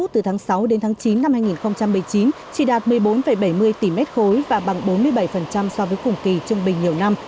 từ tháng sáu đến tháng chín năm hai nghìn một mươi chín chỉ đạt một mươi bốn bảy mươi tỷ m ba và bằng bốn mươi bảy so với cùng kỳ trung bình nhiều năm